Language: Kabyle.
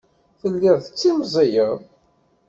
Telliḍ tettimẓiyeḍ.